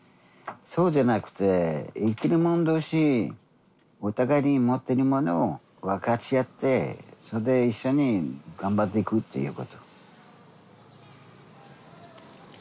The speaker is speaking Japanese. そうじゃなくて生きる者同士お互いに持ってるものを分かち合ってそれで一緒に頑張っていくっていうこと。